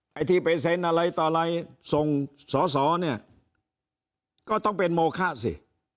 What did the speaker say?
ไอ้ที่ไปเซ็นอะไรต่ออะไรส่งสอสอเนี่ยก็ต้องเป็นโมคะสิ